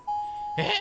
えっ⁉